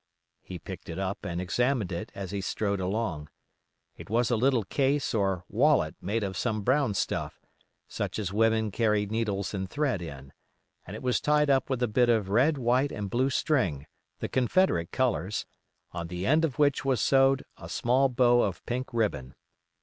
He picked it up and examined it as he strode along. It was a little case or wallet made of some brown stuff, such as women carry needles and thread in, and it was tied up with a bit of red, white and blue string, the Confederate colors, on the end of which was sewed a small bow of pink ribbon.